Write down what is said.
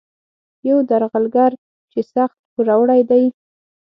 یو درغلګر چې سخت پوروړی دی.